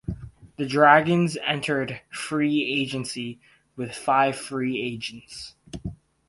The Dragons entered free agency with five free agents.